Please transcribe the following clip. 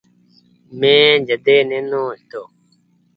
مين جڏي نينو هيتو ۔